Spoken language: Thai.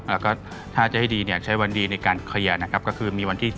แล้วก็ถ้าจะให้ดีเนี่ยใช้วันดีในการเคลียร์นะครับก็คือมีวันที่